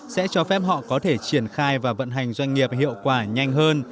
sẽ cho phép họ có thể triển khai và vận hành doanh nghiệp hiệu quả nhanh hơn